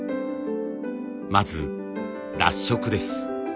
まず脱色です。